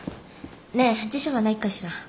ねえ辞書はないかしら？